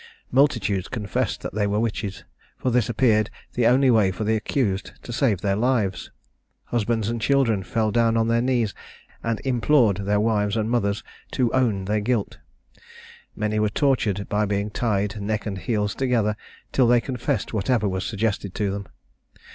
Multitudes confessed that they were witches; for this appeared the only way for the accused to save their lives. Husbands and children fell down on their knees, and implored their wives and mothers to own their guilt. Many were tortured by being tied neck and heels together, till they confessed whatever was suggested to them.